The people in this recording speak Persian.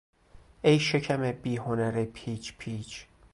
ای شکم بی هنر پیچ پیچ